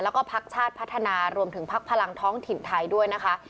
แล้วก็พักชาติพัฒนารวมถึงพักพลังท้องถิ่นไทยด้วยนะคะ